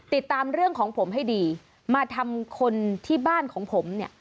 ติดตามเรื่องของผมให้ดีมาทำคนที่บ้านของผมเนี่ย